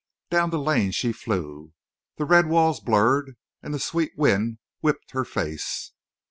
Down the lane she flew. The red walls blurred and the sweet wind whipped her face.